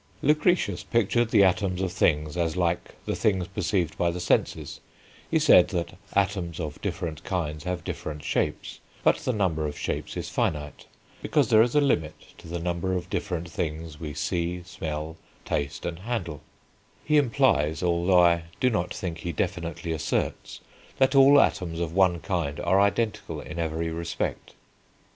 Lucretius pictured the atoms of things as like the things perceived by the senses; he said that atoms of different kinds have different shapes, but the number of shapes is finite, because there is a limit to the number of different things we see, smell, taste, and handle; he implies, although I do not think he definitely asserts, that all atoms of one kind are identical in every respect.